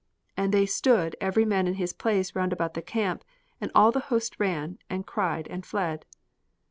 And they stood every man in his place round about the camp; and all the host ran, and cried, and fled."